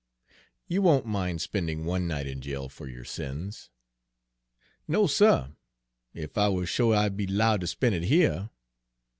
You won't mind spending one night in jail for your sins." "No, suh, ef I wuz sho' I'd be 'lowed ter spen' it here.